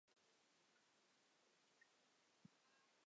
主办国英国将直接在每个单项获得一个参赛名额。